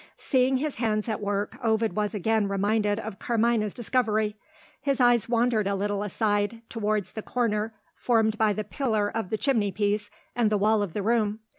Seeing his hands at work, Ovid was again reminded of Carmina's discovery. His eyes wandered a little aside, towards the corner formed by the pillar of the chimney piece and the wall of the room.